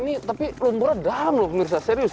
ini tapi lumpurnya dalam loh penjelasan serius